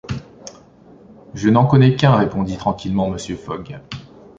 Je n’en connais qu’un, répondit tranquillement Mr. Fogg.